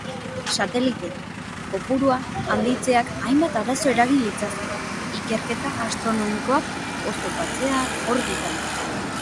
Satelite-kopurua handitzeak hainbat arazo eragin litzake: ikerketa astronomikoak oztopatzea, orbitan hondakinak sortzea…